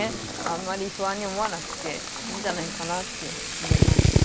あんまり不安に思わなくていいんじゃないかなって思います。